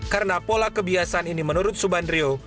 karena pola kebiasaan ini menurut subandrio